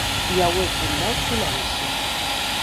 I auec un nau silenci.